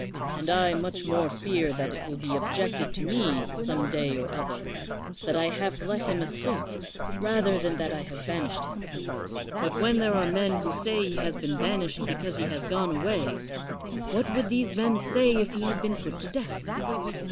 And I much more fear that it will be objected to me some day or other, that I have let him escape, rather than that I have banished him. But when there are men who say he has been banished because he has gone away, what would these men say if he had been put to death?